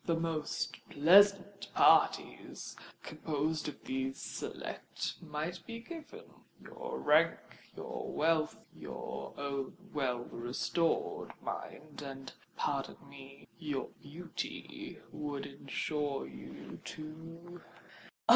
The most pleasant parties, composed of these select, might be given: your rank—your wealth—your own well stored mind—and, pardon me, your beauty,—would ensure to you——" "Oh!